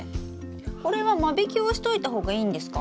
これは間引きをしといた方がいいんですか？